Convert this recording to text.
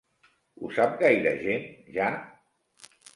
Ho sap gaire gent, ja?